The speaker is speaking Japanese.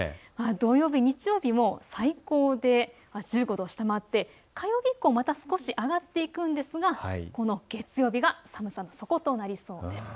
土曜日、日曜日も最高で１５度を下回って火曜日以降はまた少し上がっていくんですが月曜日が寒さの底となりそうです。